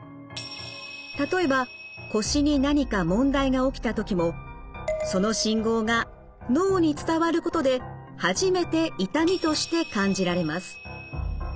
例えば腰に何か問題が起きた時もその信号が脳に伝わることで初めて痛みとして感じられます。